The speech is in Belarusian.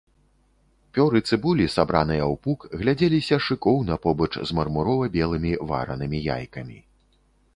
Пёры цыбулі, сабраныя ў пук, глядзеліся шыкоўна побач з мармурова-белымі варанымі яйкамі.